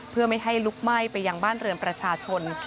เพื่อไม่ให้ลุกไหม้ไปยังบ้านเรือนประชาชน